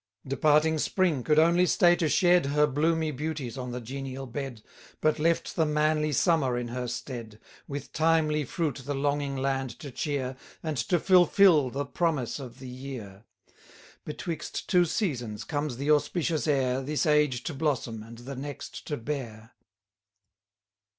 Departing Spring could only stay to shed Her bloomy beauties on the genial bed, But left the manly Summer in her stead, With timely fruit the longing land to cheer, And to fulfil the promise of the year. Betwixt two seasons comes the auspicious heir, This age to blossom, and the next to bear.